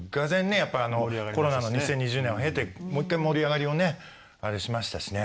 やっぱコロナの２０２０年を経てもう一回盛り上がりをねあれしましたしね。